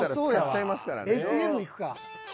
ＡＴＭ行くか。